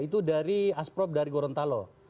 itu dari asprop dari gorontalo